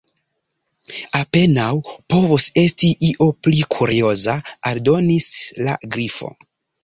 "Apenaŭ povus esti io pli kurioza," aldonis la Grifo.